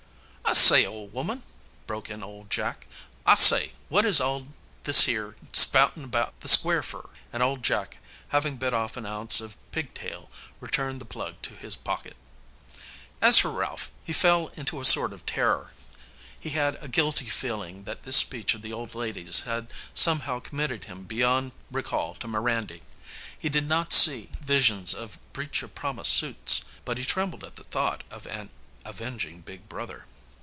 "I say, ole woman," broke in old Jack, "I say, wot is all this 'ere spoutin' about the Square fer?" and old Jack, having bit off an ounce of "pigtail," returned the plug to his pocket. As for Ralph, he fell into a sort of terror. He had a guilty feeling that this speech of the old lady's had somehow committed him beyond recall to Mirandy. He did not see visions of breach of promise suits. But he trembled at the thought of an avenging big brother.